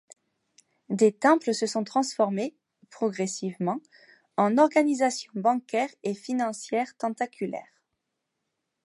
Des temples se sont transformés, progressivement, en organisations bancaires et financières tentaculaires.